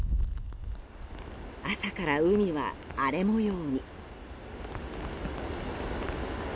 朝から海は荒れ模様に。